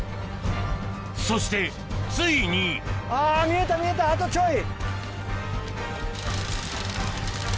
そしてついにあぁ見えた見えたあとちょい。